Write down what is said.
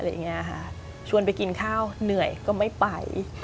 อะไรอย่างนี้ค่ะชวนไปกินข้าวเหนื่อยก็ไม่ไป